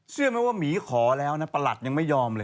เชื่อไหมว่าหมีขอแล้วนะประหลัดยังไม่ยอมเลย